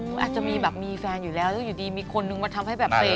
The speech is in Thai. อื้ออออาจจะมีแฟนอยู่แล้วแล้วอยู่ดีมีคนนึงมาทำให้แบบเปลี่ยนเนี่ย